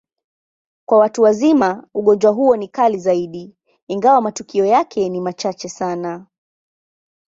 Kwa watu wazima, ugonjwa huo ni kali zaidi, ingawa matukio yake ni machache sana.